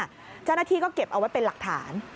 เจ้าหน้าที่ก็เก็บเอาไว้เป็นหลักฐาน